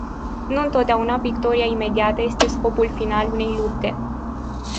Nu întotdeauna victoria imediată este scopul final unei lupte.